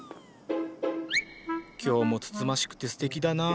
今日もつつましくてすてきだな。